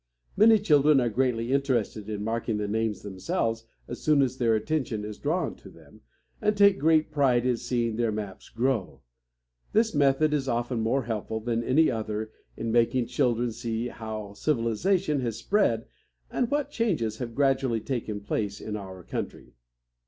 Many children are greatly interested in marking the names themselves as soon as their attention is drawn to them, and take great pride in seeing their maps grow. This method is often more helpful than any other in making children see how civilization has spread and what changes have gradually taken place in our country.